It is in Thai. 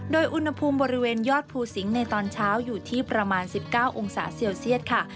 โดยอุณหภูมิบริเวณยอดภูสิงศ์ในตอนเช้าอยู่ที่ประมาณ๑๙องศาเซลเซียตค่ะ